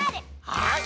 はい！